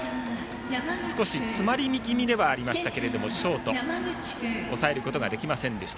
少し詰まり気味ではありましたがショート、抑えることができませんでした。